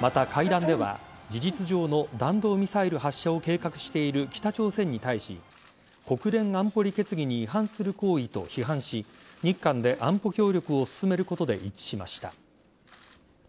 また、会談では事実上の弾道ミサイル発射を計画している北朝鮮に対し国連安保理決議に違反する行為と批判し日韓で安保協力を進めることで一致しました。